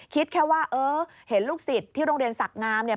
คิดแค่ว่าเออเห็นลูกศิษย์ที่โรงเรียนศักดิ์งามเนี่ย